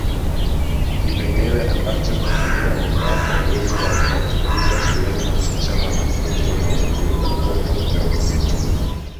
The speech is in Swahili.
Kipengele ambacho kinaipa mamlaka uwezo wa kuwafukuza shuleni wasichana wanafunzi wanaogundulika kuwa na ujauzito